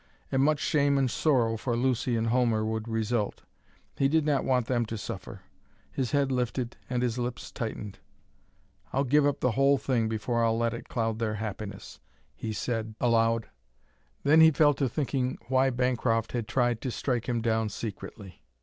And much shame and sorrow for Lucy and Homer would result. He did not want them to suffer. His head lifted and his lips tightened. "I'll give up the whole thing before I'll let it cloud their happiness," he said aloud. Then he fell to thinking why Bancroft had tried to strike him down secretly.